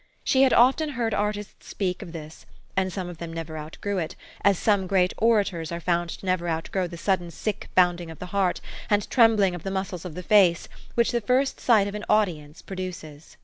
She had often heard artists speak of this ; and some of them never outgrew it, as some great orators are found never to outgrow the sudden sick bounding of the heart, and trembling of the muscles of the face, which the first sight of an audi ence produces.